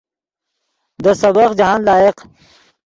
دے سبق جاہند لائق